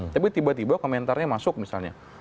tapi tiba tiba komentarnya masuk misalnya